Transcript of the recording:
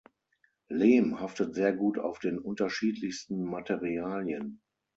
Lehm haftet sehr gut auf den unterschiedlichsten Materialien.